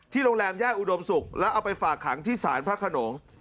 ที่โรงแรมย่ายอุดมสุขแล้วเอาไปฝากขังที่ศาลพระขนง